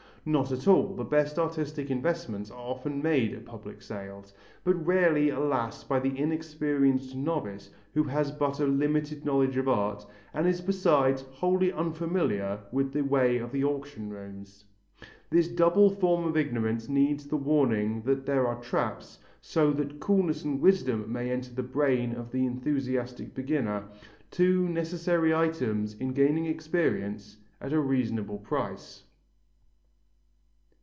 Not at all, the best artistic investments are often made at public sales, but rarely, alas, by the inexperienced novice who has but a limited knowledge of art, and is besides wholly unfamiliar with the ways of auction rooms. This double form of ignorance needs the warning that there are traps, so that coolness and wisdom may enter the brain of the enthusiastic beginner, two necessary items in gaining experience at a reasonable price.